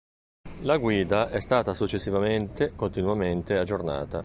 La guida è stata successivamente continuamente aggiornata.